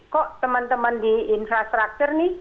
kok teman teman di infrastruktur nih